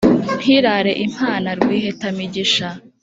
ntirare impana rwiheta-migisha.